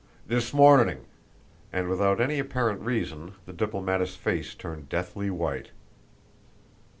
"This morning," and without any apparent reason the diplomatist's face turned deathly white.